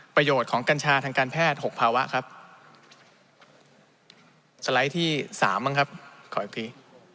ประโยชน์ของกัญชาทางการแพทย์๖ภาวะครับสไลด์ที่สามบ้างครับขออีกที